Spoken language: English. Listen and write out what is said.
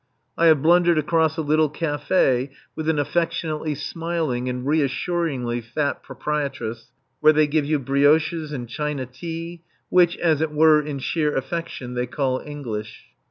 I have blundered across a little café with an affectionately smiling and reassuringly fat proprietress, where they give you brioches and China tea, which, as it were in sheer affection, they call English.